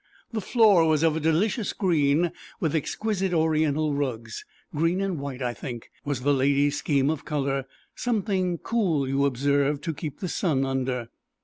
The floor was of a delicious green with exquisite oriental rugs; green and white, I think, was the lady's scheme of colour, something cool, you observe, to keep the sun under.